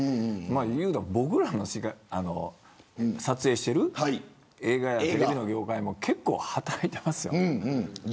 言えば、僕らの撮影している映画やテレビの業界も結構、働いていますよ。